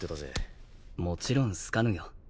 もちろん好かぬよ。